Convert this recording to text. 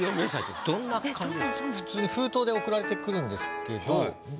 普通に封筒で送られてくるんですけど。